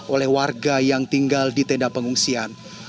oleh warga yang tinggal di tenda pengungsian